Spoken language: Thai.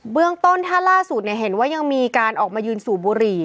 เรื่องต้นถ้าล่าสุดเห็นว่ายังมีการออกมายืนสูบบุหรี่